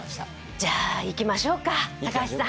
じゃあいきましょうか、高橋さん。